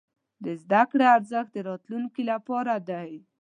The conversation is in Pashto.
د زده کړې ارزښت د راتلونکي لپاره دی.